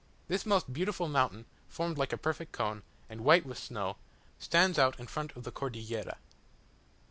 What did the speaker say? This most beautiful mountain, formed like a perfect cone, and white with snow, stands out in front of the Cordillera.